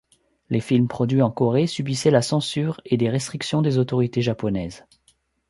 Les films produits en Corée subissaient la censure et des restrictions des autorités japonaises.